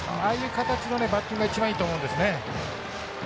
ああいう形のねバッティングが一番いいと思うんですね。